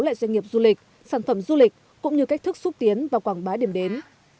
lại doanh nghiệp du lịch sản phẩm du lịch cũng như cách thức xúc tiến và quảng bá điểm đến